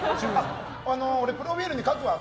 俺、プロフィールに書くわ。